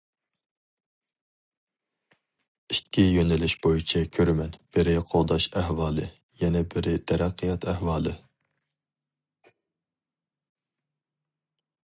« ئىككى يۆنىلىش بويىچە كۆرىمەن، بىرى قوغداش ئەھۋالى، يەنە بىرى تەرەققىيات ئەھۋالى».